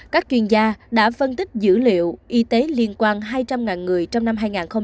các chuyên gia đã phân tích dữ liệu y tế liên quan hai trăm linh người trong năm hai nghìn hai mươi